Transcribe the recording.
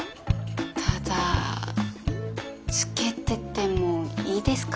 ただつけててもいいですか？